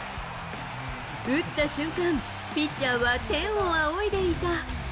打った瞬間、ピッチャーは天を仰いでいた。